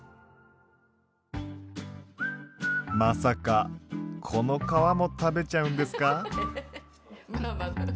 まさかこの皮も食べちゃうんですか？